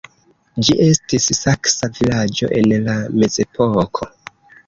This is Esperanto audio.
Ĝi estis saksa vilaĝo en la mezepoko.